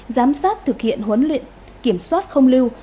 giám sát thực hiện huấn luyện kiểm soát không lưu